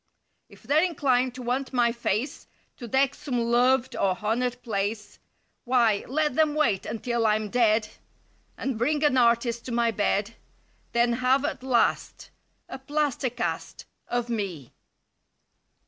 If they're inclined to want my face To deck some loved or honored place. Why, let them wait until I'm dead. And bring an artist to my bed; Then have at last— A plaster cast— Of me.